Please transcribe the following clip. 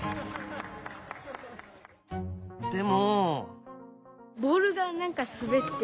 でも？